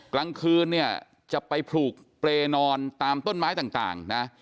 กลางคืนเนี่ยจะไปผูกเปรย์นอนตามต้นไม้ต่างนะ